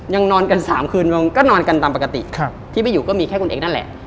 นอนกัน๓คืนก็นอนกันตามปกติที่ไปอยู่ก็มีแค่คุณเอกนั่นแหละ